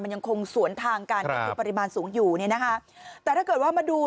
มันยังคงสวนทางกันก็คือปริมาณสูงอยู่เนี่ยนะคะแต่ถ้าเกิดว่ามาดู